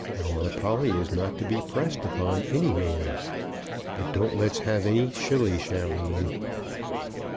Our Polly is not to be pressed upon any man. But don't let's have any shilly shallying."